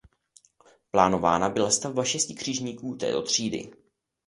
Plánována byla stavba šesti křižníků této třídy.